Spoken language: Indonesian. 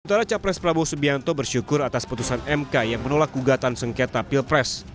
sementara capres prabowo subianto bersyukur atas putusan mk yang menolak gugatan sengketa pilpres